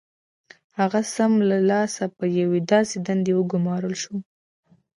هغه سم له لاسه پر یوې داسې دندې وګومارل شو